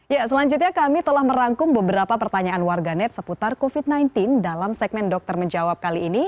ya selanjutnya kami telah merangkum beberapa pertanyaan warganet seputar covid sembilan belas dalam segmen dokter menjawab kali ini